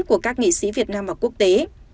của các nghị sĩ việt nam và quốc tế